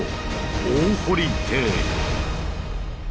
大堀邸。